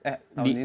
eh tahun ini